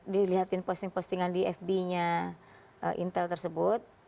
dilihatin posting postingan di fb nya intel tersebut